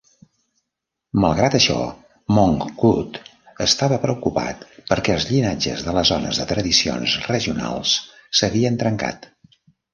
Malgrat això, Mongkut estava preocupat perquè els llinatges de les zones de tradicions regionals s'havien trencat.